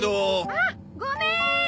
あっごめーん！